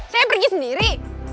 saya pergi sendiri